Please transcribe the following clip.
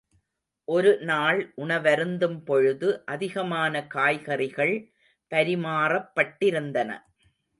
ஒரு நாள் உணவருந்தும் பொழுது, அதிகமான காய்கறிகள் பரிமாறப்பட்டிருந்தன.